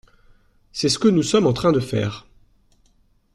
C’est ce que nous sommes en train de faire.